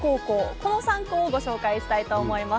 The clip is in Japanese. この３校をご紹介したいと思います。